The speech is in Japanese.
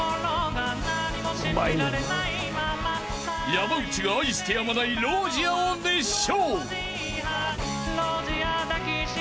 ［山内が愛してやまない『ＲＯＳＩＥＲ』を熱唱］